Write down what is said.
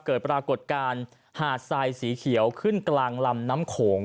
เกิดปรากฏการณ์หาดทรายสีเขียวขึ้นกลางลำน้ำโขง